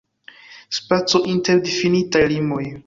Spaco inter difinitaj limoj.